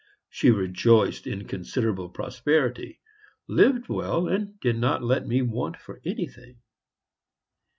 She rejoiced in considerable prosperity, lived well, and did not let me want for anything.